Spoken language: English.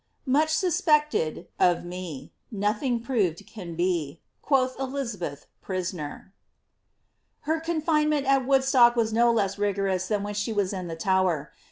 ^ ^fuch 8uspected^ of me, Nothing proved can be, Quoth Elizabeth, prisoner.*' Her confinement at Woodstock was no less rigorous than when she was in the Tower.